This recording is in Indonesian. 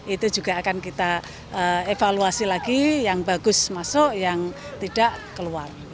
itu juga akan kita evaluasi lagi yang bagus masuk yang tidak keluar